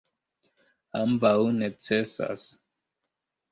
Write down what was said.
Ambaŭ necesas.